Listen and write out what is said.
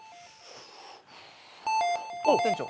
店長。